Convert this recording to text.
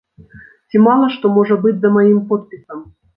Ці мала што можа быць за маім подпісам.